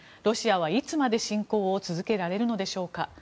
ロシアはいつまで侵攻を続けられるのでしょうか。